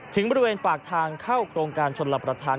ถึงบริเวณปากทางเข้าโครงการชนรับประทาน